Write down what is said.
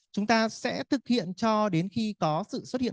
chúng ta sẽ thực hiện cho đến khi có sự xuất hiện